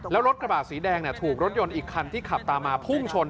แล้วรถกระบาดสีแดงถูกรถยนต์อีกคันที่ขับตามมาพุ่งชน